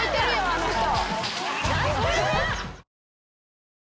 あの人。